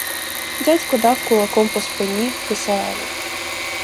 Дядько дав кулаком по спині писареві.